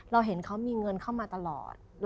เราเห็นเขามีเงินเข้ามาตลอด